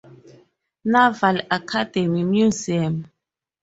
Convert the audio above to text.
Naval Academy Museum.